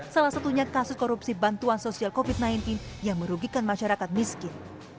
salah satunya kasus korupsi bantuan sosial covid sembilan belas yang merugikan masyarakat miskin